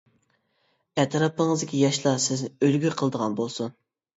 ئەتراپىڭىزدىكى ياشلار سىزنى ئۈلگە قىلىدىغان بولسۇن.